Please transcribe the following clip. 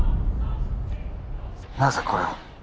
なぜこれを？